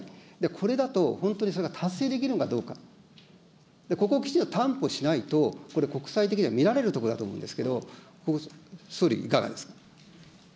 これだと、本当にそれが達成できるのかどうか、ここをきちっと担保しないと、これ、国際的には見られるところだと思うんですけれども、総理、いかがです。